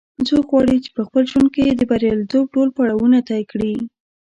څوک غواړي چې په خپل ژوند کې د بریالیتوب ټول پړاوونه طې کړي